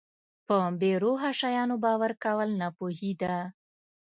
په بې روحه شیانو باور کول ناپوهي ده.